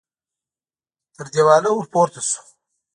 تر دېواله ور پورته شو.